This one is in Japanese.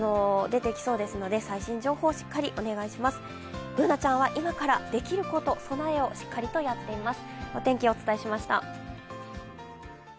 Ｂｏｏｎａちゃんは今から出来ること備えをしっかりやっています。